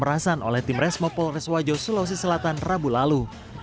pembangunan dan pemerasan oleh tim resmo polres wajo sulawesi selatan rabu lalu